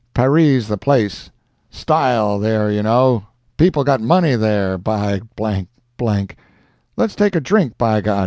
Parree's the place—style, there, you know—people got money, there, by __________. Let's take a drink, by G—."